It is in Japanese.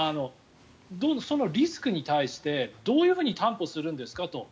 リスクに対してどういうふうに担保するんですかと。